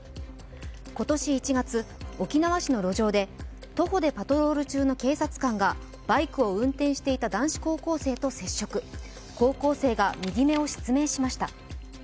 今年１月、沖縄市の路上で徒歩でパトロール中の警察官がバイクを運転していた男子高校生と接触、高校生が右目を失明しました。